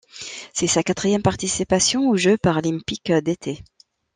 C'est sa quatrième participation aux Jeux paralympiques d'été.